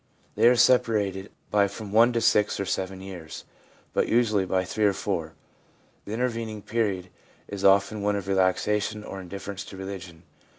They are separated by from one to six or seven years, but usually by three or four years. The intervening period is often one of relaxation or indifference to religion.